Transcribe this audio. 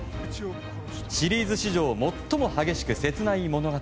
シリーズ史上最も激しく切ない物語。